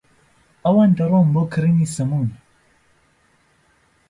ئەوان دەڕۆن بۆ کرینی سەموون.